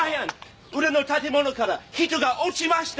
裏の建物から人が落ちました！